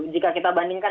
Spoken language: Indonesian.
jika kita bandingkan